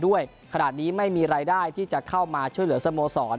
ขนาดนี้ไม่มีรายได้ที่จะเข้ามาช่วยเหลือสโมสร